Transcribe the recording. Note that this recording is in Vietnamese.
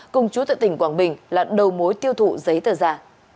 cùng chú tại tỉnh quảng bình là đầu mối tiêu thụ giấy tờ giả